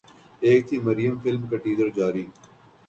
ایک تھی مریم فلم کا ٹیزر جاری